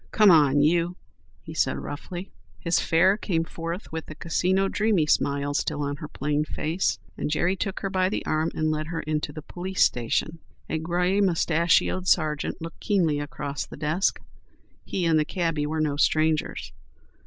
"Come on, you," he said, roughly. His fare came forth with the Casino dreamy smile still on her plain face. Jerry took her by the arm and led her into the police station. A gray moustached sergeant looked keenly across the desk. He and the cabby were no strangers.